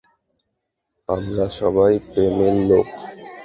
আমরা সবাই প্রেমের লোক!